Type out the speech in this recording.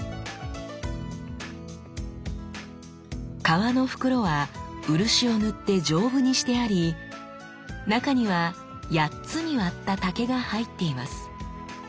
皮の袋は漆を塗って丈夫にしてあり中には八つに割った竹が入っています。